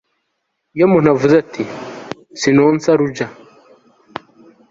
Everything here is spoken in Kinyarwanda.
iyo umuntu avuze ati «sinonsa ruja